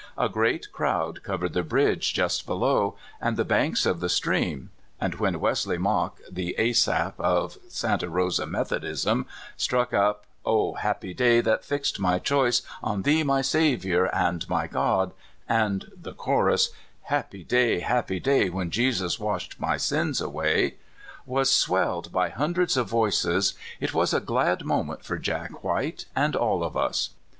A great crowd covered the bridge just below, and the banks of the stream; and when Wesley Mock, the Asaph of Santa Rosa Metho dism, struck up O happy day that fixed my choice On thee, my Saviour and my God, and the chorus, Happy day, happy day, when Jesus washed my sins away, was swelled by hundreds of voices, it was a glad moment for Jack White and all of us.